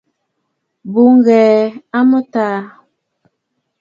Bo ghɛɛ a mɨtaa.